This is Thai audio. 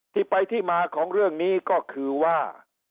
ที่ไปที่มาของเรื่องนี้ก็คือว่า